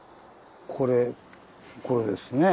これこれですね。